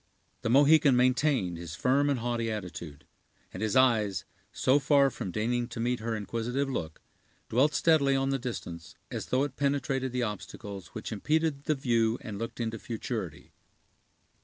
The Mohican maintained his firm and haughty attitude; and his eyes, so far from deigning to meet her inquisitive look, dwelt steadily on the distance, as though it penetrated the obstacles which impeded the view and looked into futurity.